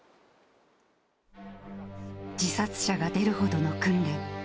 自殺者が出るほどの訓練。